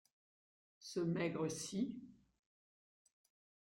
Ce maigre-ci.